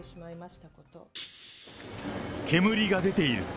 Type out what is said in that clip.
煙が出ている。